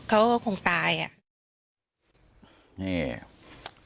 เขาก็คงตายอ่ะ